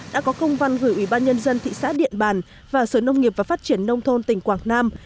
đã có công văn gửi ủy ban nhân dân thị xã điện bàn và sở nông nghiệp và phát triển nông thôn tỉnh quảng nam